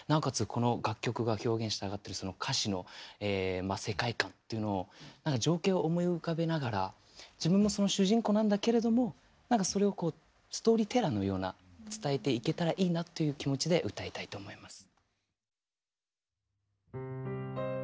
この楽曲が表現したがってるその歌詞の世界観というのを情景を思い浮かべながら自分もその主人公なんだけれどもそれをこうストーリーテラーのような伝えていけたらいいなという気持ちで歌いたいと思います。